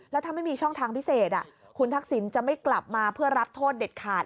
แล้วถ้าไม่มีช่องทางพิเศษคุณทักษิณจะไม่กลับมาเพื่อรับโทษเด็ดขาด